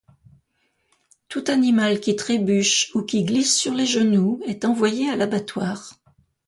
Tout animal qui trébuche ou qui glisse sur les genoux est envoyé à l'abattoir.